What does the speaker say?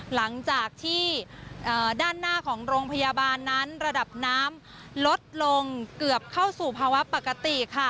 หลังจากที่ด้านหน้าของโรงพยาบาลนั้นระดับน้ำลดลงเกือบเข้าสู่ภาวะปกติค่ะ